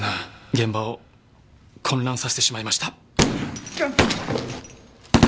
現場を混乱させてしまいました。